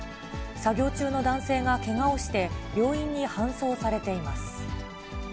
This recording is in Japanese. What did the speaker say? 作業中の男性がけがをして、病院に搬送されています。